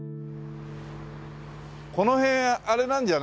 この辺あれなんじゃないの？